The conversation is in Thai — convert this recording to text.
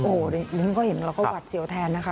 โอ้นึงก็เห็นเราก็วัดเสียวแทนนะคะ